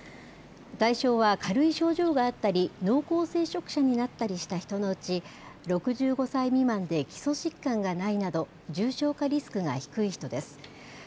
対象は軽い症状があったり濃厚接触者になったりした人のうち、６５歳未満で基礎疾患がないなど重症化リスクが低い人です。